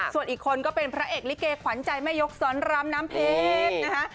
ส่วนอีกคนก็เป็นพระเอกลิเกขวัญใจแม่ยกสอนรามน้ำเพชรนะคะ